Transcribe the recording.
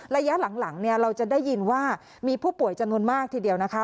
ระยะหลังเนี่ยเราจะได้ยินว่ามีผู้ป่วยจำนวนมากทีเดียวนะคะ